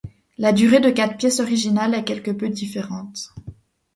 La durée des quatre pièces originales est quelque peu différente.